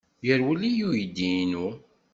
Yerwel-iyi uydi-inu.